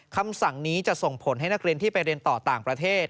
คำสั่งนี้จะส่งผลให้นักเรียนที่ไปเรียนต่อต่างประเทศ